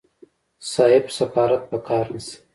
صيب سفارت په قار نشي.